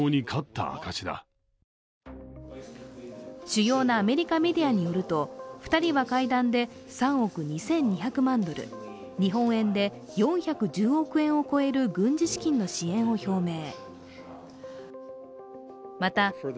主要なアメリカメディアによると２人は会談で３億２２００万ドル、日本円で４１０億円を超える軍事資金の支援を表明。